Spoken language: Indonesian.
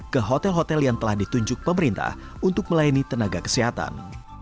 ke hotel hotel yang telah ditunjuk pemerintah untuk melayani tenaga kesehatan